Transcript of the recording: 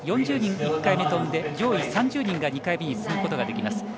４０人、１回目飛んで上位３０人が２回目に進むことができます。